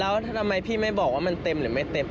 แล้วทำไมพี่ไม่บอกว่ามันเต็มหรือไม่เต็ม